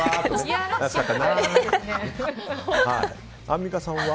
アンミカさんは？